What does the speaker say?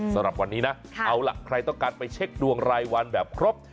สำหรับวันนี้นะเอาล่ะใครต้องการไปเช็คดวงรายวันแบบครบ